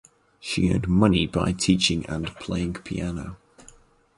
She earned money by teaching and playing piano.